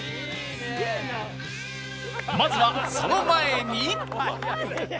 まずはその前に